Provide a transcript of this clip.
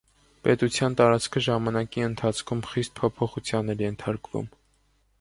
Պետության տարածքը ժամանակի ընթացքում խիստ փոփոխության էր ենթարկվում։